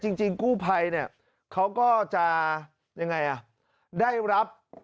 จริงกู้ภัยเนี่ยเขาก็จะยังไงอ่ะได้รับ